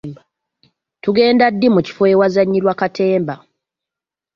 Tugenda ddi mu kifo ewazannyirwa katemba?